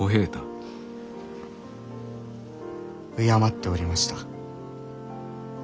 敬っておりました。